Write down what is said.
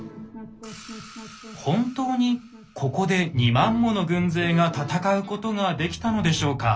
本当にここで２万もの軍勢が戦うことができたのでしょうか？